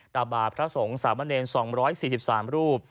ตาบาพระสงฆ์สามเณร๒๔๓รูป